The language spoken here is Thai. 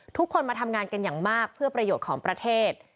ทุกคนมาทำงานกันอย่างมากเพื่อประโยชน์ของประเทศ